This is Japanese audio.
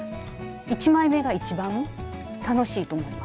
１枚目が一番楽しいと思います。